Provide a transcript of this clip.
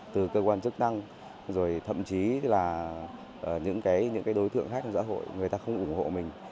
từ cơ quan chức năng rồi thậm chí là những cái đối thượng khác trong giã hội người ta không ủng hộ mình